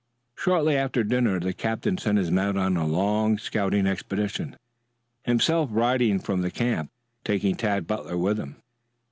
Shortly after dinner the captain sent his men out on a long scouting expedition, himself riding from the camp, taking Tad Butler with him.